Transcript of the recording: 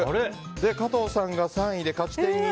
加藤さんが３位で勝ち点１。